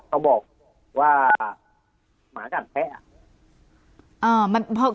เขาบอกว่าหมากัดแพะ